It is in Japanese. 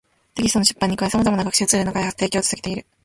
テキストの出版に加え、様々な学習ツールの開発・提供を続けている